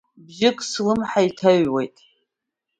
Бжьык слымҳа иҭаҩуеит…